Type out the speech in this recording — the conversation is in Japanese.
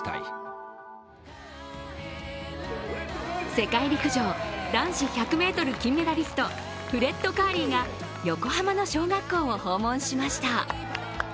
世界陸上、男子１００ｍ金メダリストフレッド・カーリーが横浜の小学校を訪問しました。